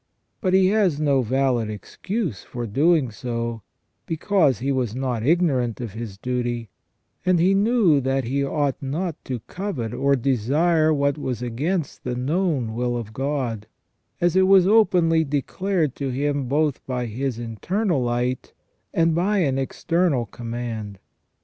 But he has no valid excuse for doing so, because he was not ignorant of his duty, and he knew that he ought not to covet or desire what was against the known will of God, as it was openly declared to him both by his internal light and by an external com mand.